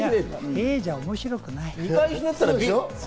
Ａじゃ面白くない。